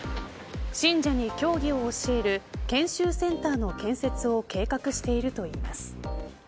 信者に教義を教える研修センターの建設を計画しているといいます。